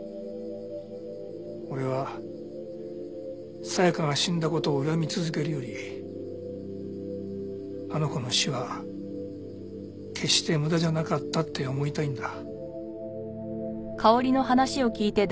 俺は紗弥香が死んだ事を恨み続けるよりあの子の死は決して無駄じゃなかったって思いたいんだ。